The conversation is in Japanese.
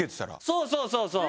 そうそうそうそう！